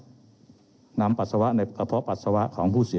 เรามีการปิดบันทึกจับกลุ่มเขาหรือหลังเกิดเหตุแล้วเนี่ย